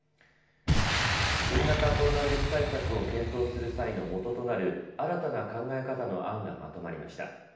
新型コロナウイルス対策を検討する際のもととなる新たな考え方の案がまとまりました。